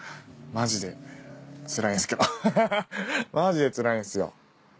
マジでつらいんすよ。